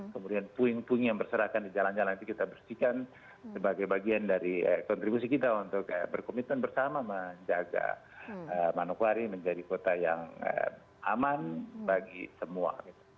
kemudian puing puing yang berserakan di jalan jalan itu kita bersihkan sebagai bagian dari kontribusi kita untuk berkomitmen bersama menjaga manokwari menjadi kota yang aman bagi semua